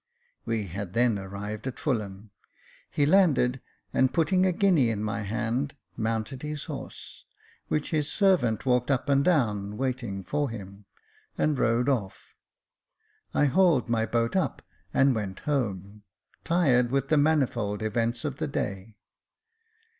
We had then arrived at Fulham. He landed, and, putting a guinea in my hand, mounted his horse, which his servant walked up and down, waiting for him, and rode off. I hauled up my boat and went home, tired with the manifold events of the day.